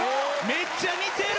めっちゃ似てる。